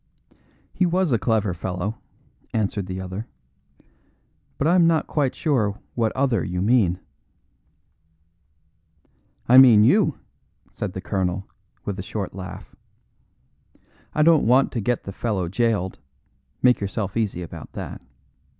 "He was a clever fellow," answered the other, "but I am not quite sure of what other you mean." "I mean you," said the colonel, with a short laugh. "I don't want to get the fellow jailed; make yourself easy about that.